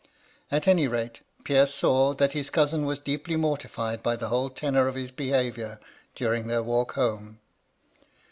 " At any rate, Pierre saw that his coumi was deeply mortified by the whole tenor of his behaviour during their walk home.